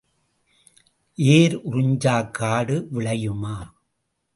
ஏர் உறிஞ்சாக் காடு விளையுமா?